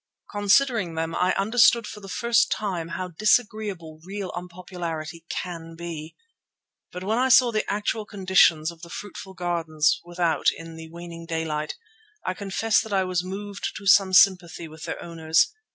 Considering them I understood for the first time how disagreeable real unpopularity can be. But when I saw the actual condition of the fruitful gardens without in the waning daylight, I confess that I was moved to some sympathy with their owners.